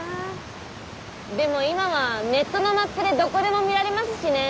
でも今はネットのマップでどこでも見られますしねー。